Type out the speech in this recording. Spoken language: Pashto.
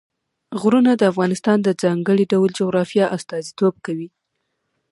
غرونه د افغانستان د ځانګړي ډول جغرافیه استازیتوب کوي.